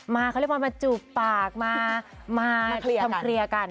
เขาเรียกว่ามาจูบปากมาทำเคลียร์กัน